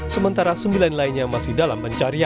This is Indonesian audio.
sementara sembilan lainnya masih dalam pencarian